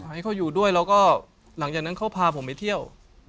ให้เขาอยู่ด้วยแล้วก็หลังจากนั้นเขาพาผมไปเที่ยว